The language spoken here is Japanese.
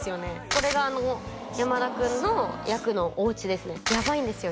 これが山田君の役のおうちですねやばいんですよ